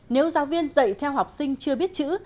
nếu giáo viên dạy theo học sinh chưa biết chữ